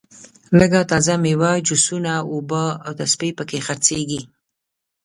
لږه تازه میوه جوسونه اوبه او تسبې په کې خرڅېږي.